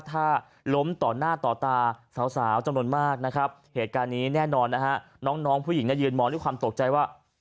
กรี๊ดเหมือนกันแต่กรี๊ดคนละแบบกรี๊ดบัดกลัว